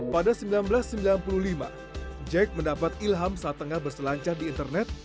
pada seribu sembilan ratus sembilan puluh lima jack mendapat ilham saat tengah berselancar di internet